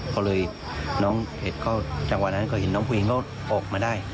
เพราะเลยจังหวะนั้นก็เห็นน้องผู้หญิงก็ออกมาได้